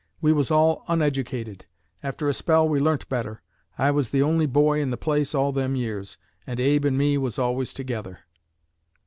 We was all uneducated. After a spell we learnt better. I was the only boy in the place all them years, and Abe and me was always together."